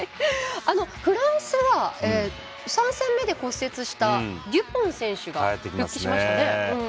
フランスは３戦目で骨折したデュポン選手が復帰しましたよね。